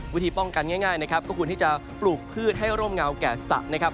วิธีป้องกันง่ายนะครับก็ควรที่จะปลูกพืชให้ร่มเงาแก่สระนะครับ